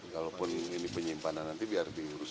kalaupun ini penyimpanan nanti biar diurus